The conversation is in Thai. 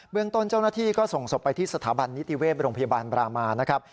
เมืองต้นเจ้าหน้าที่ก็ส่งศพไปที่สถาบันนิติเวศโรงพยาบาลบรามานะครับ